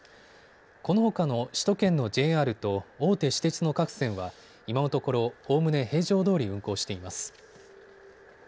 このほかの首都圏のＪＲと大手私鉄の各線は今のところ、おおむね平常どおり運行しています。